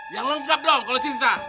yang lengkap dong kalau cerita